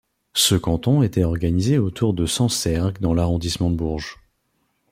Ce canton étai organisé autour de Sancergues dans l'arrondissement de Bourges.